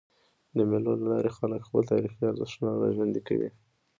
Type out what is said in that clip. د مېلو له لاري خلک خپل تاریخي ارزښتونه راژوندي کوي.